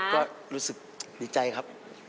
ก็รู้สึกดีใจครับ